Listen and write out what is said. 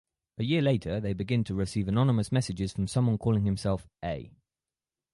A year later they begin to receive anonymous messages from someone calling himself "A".